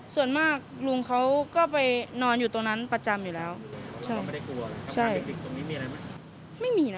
ตอนลุงมาเสียชีวิตตรงนี้เราคิดว่ามันจะเป็นเหตุอะไรนะ